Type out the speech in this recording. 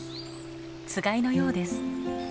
つがいのようです。